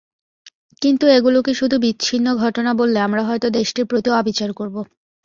কিন্তু এগুলোকে শুধু বিচ্ছিন্ন ঘটনা বললে আমরা হয়তো দেশটির প্রতি অবিচার করব।